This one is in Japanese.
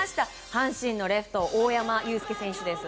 阪神のレフト大山悠輔選手です。